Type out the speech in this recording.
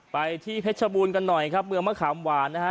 ไปที่เพชรบูรณ์กันหน่อยครับเมืองมะขามหวานนะฮะ